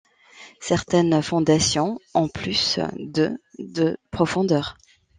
Certaines fondations ont plus de de profondeur.